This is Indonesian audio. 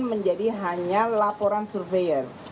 menjadi hanya laporan survei